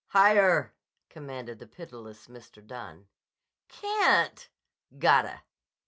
"Higher!" commanded the pitiless Mr. Dunne. "Can't!" "Gotta!"